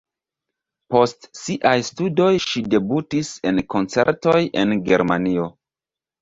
Post siaj studoj ŝi debutis en koncertoj en Germanio.